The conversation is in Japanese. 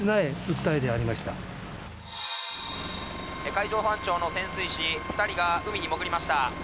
海上保安庁の潜水士２人が海に潜りました。